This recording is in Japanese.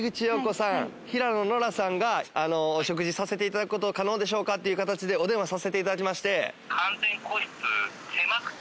平野ノラさんがお食事させていただくことは可能でしょうかという形でお電話させていただきまして。